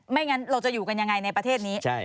งั้นเราจะอยู่กันยังไงในประเทศนี้